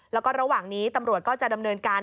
แล้วก็ระหว่างนี้ตำรวจก็จะดำเนินการ